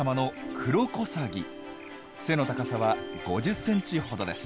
背の高さは５０センチほどです。